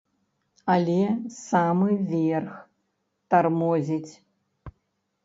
Але самы верх тармозіць.